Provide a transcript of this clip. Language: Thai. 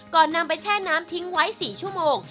นำไปแช่น้ำทิ้งไว้๔ชั่วโมง